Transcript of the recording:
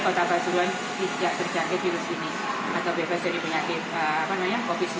supaya tidak hanya kota pasuruan yang terjangkit virus ini